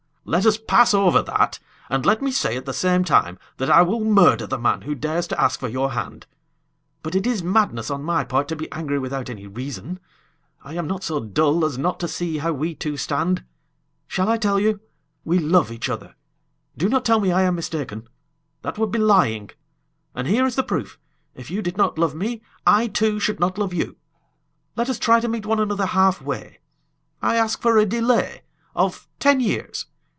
"Let us pass over that, and let me say, at the same time, that I will murder the man who dares to ask for your hand. But it is madness on my part to be angry without any reason. I am not so dull as not to see how we two stand. Shall I tell you? We love each other. Do not tell me I am mistaken! That would be lying. And here is the proof: if you did not love me, I, too, should not love you! Let us try to meet one another halfway. I ask for a delay of ten years.